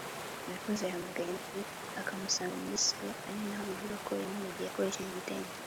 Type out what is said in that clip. Irakoze yahamgare nyirakuru akamusanga muri saro ari naho bivugwa ko yamunigiye akoresheje igitenge